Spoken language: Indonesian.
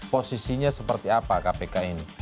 posisinya seperti apa kpk ini